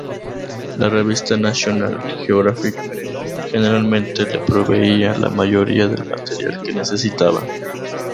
La revista National Geographic generalmente le proveía la mayoría del material que necesitaba.